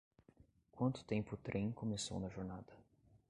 Quanto tempo o trem começou na jornada?